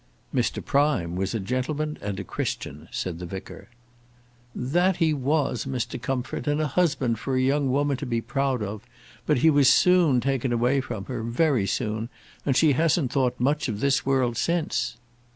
"Mr. Prime was a gentleman and a Christian," said the vicar. "That he was, Mr. Comfort; and a husband for a young woman to be proud of. But he was soon taken away from her very soon! and she hasn't thought much of this world since."